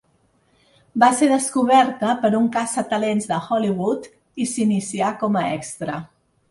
Va ser descobert per un caça talents de Hollywood, i s'inicià com a extra.